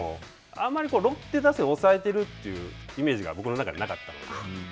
あまりロッテ打線を抑えているというイメージが、僕の中でなかったので。